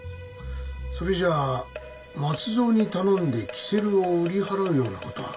それじゃ松蔵に頼んでキセルを売り払うような事は。